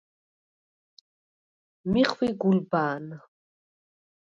მი ხვი გულბა̄ნ.